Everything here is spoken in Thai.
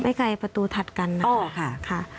ไกลประตูถัดกันนะคะ